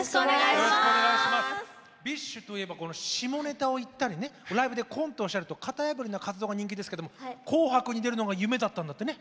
ＢｉＳＨといえば下ネタを言ったりライブでコントをしたりと型破りな活動が人気ですけども紅白に出るのが夢だったんだよね。